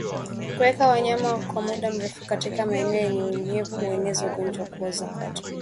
Kuweka wanyama kwa muda mrefu katika maeneo yenye unyevu hueneza ugonjwa wa kuoza kwato